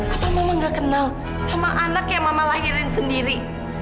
apa mama gak kenal sama anak yang mama lahirin sendiri